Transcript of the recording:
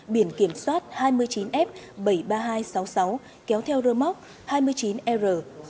biển kiểm soát hai mươi chín f bảy mươi ba nghìn hai trăm sáu mươi sáu kéo theo rơ móc hai mươi chín r bảy nghìn bốn mươi ba